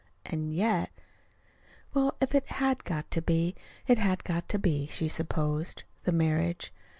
And yet Well, if it had got to be, it had got to be, she supposed the marriage.